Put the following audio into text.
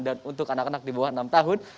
untuk anak anak di bawah enam tahun